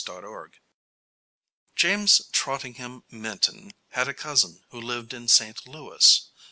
NESBIT James Trottingham Minton had a cousin who lived in St. Louis.